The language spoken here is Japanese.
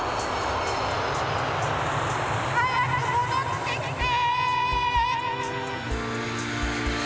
はやくもどってきて！